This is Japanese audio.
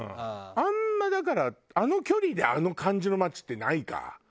あんまりだからあの距離であの感じの街ってないか。